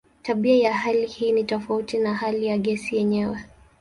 Tabia ya hali hii ni tofauti na hali ya gesi yenyewe.